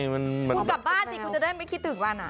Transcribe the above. คุณกับบ้านสิรึยักษ์มี้ก็จะได้ไม่คิดถึงบ้านหนัง